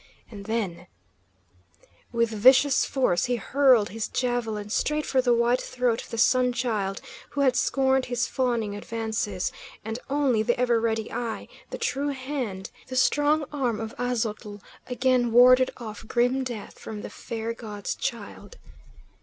And then With vicious force he hurled his javelin straight for the white throat of the Sun Child who had scorned his fawning advances, and only the ever ready eye, the true hand, the strong arm of Aztotl again warded off grim death from the Fair God's Child.